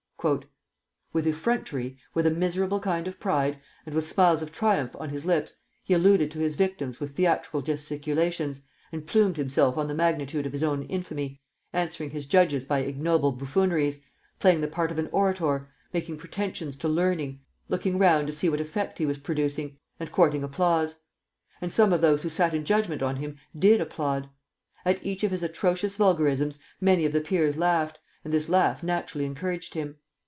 "With effrontery, with a miserable kind of pride, and with smiles of triumph on his lips, he alluded to his victims with theatrical gesticulations, and plumed himself on the magnitude of his own infamy, answering his judges by ignoble buffooneries, playing the part of an orator, making pretensions to learning, looking round to see what effect he was producing, and courting applause. And some of those who sat in judgment on him did applaud. At each of his atrocious vulgarisms many of the Peers laughed, and this laugh naturally encouraged him.